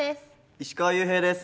石川裕平です。